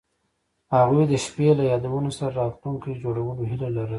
هغوی د شپه له یادونو سره راتلونکی جوړولو هیله لرله.